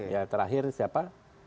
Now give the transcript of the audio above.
ya terakhir siapa